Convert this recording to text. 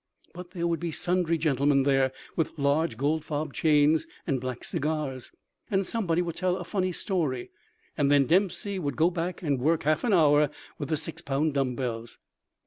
But there would be sundry gentlemen there with large gold fob chains and black cigars; and somebody would tell a funny story, and then Dempsey would go back and work half an hour with the six pound dumbbells.